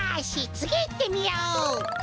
つぎいってみよう！